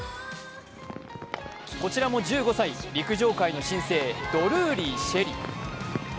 こちらも１５歳、陸上界の新星ドルーリー朱瑛里。